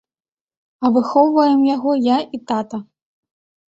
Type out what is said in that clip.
А выхоўваем яго я і тата.